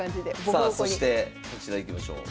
さあそしてこちらいきましょう。